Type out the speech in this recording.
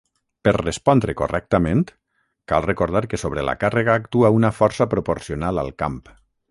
Per respondre correctament, cal recordar que sobre la càrrega actua una força proporcional al camp.